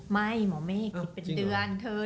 ไม่หมอเมฆคิดเป็นอาทิตย์